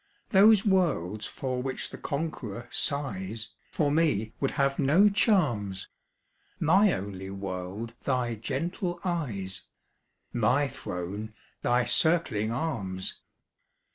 Those worlds for which the conqueror sighs For me would have no charms; My only world thy gentle eyes My throne thy circling arms!